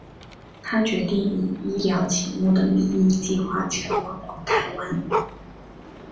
他决定以医疗勤务的名义计画前往台湾。